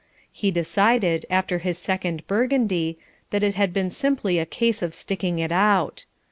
He decided, after his second Burgundy, that it had been simply a case of sticking it out.